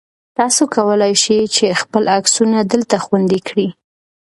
تاسو کولای شئ چې خپل عکسونه دلته خوندي کړئ.